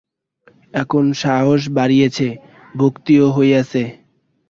এখন সাহস বাড়িয়াছে, ভক্তিও হইয়াছে।